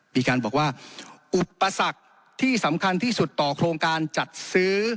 มีการบอกว่าอุปสรรคที่สำคัญที่สุดต่อโครงการจัดซื้อ